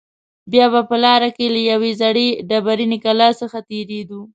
بیا به په لاره کې له یوې زړې ډبرینې کلا څخه تېرېدو.